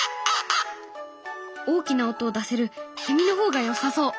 大きな音を出せるセミの方がよさそう。